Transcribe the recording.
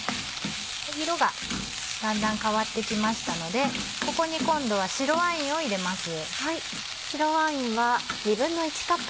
色がだんだん変わって来ましたのでここに今度は白ワインを入れます。